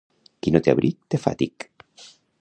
Qui no té abric, té fatic.